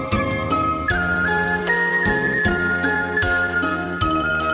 มีมูลค่า๖๐๐๐๐บาทนะครับ